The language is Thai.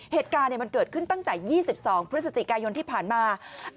เหตุการณ์มันเกิดขึ้นตั้งแต่๒๒พฤศจิกายนที่ผ่านมา